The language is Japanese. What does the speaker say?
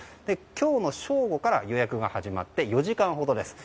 今日の正午から予約が始まって４時間ほどです。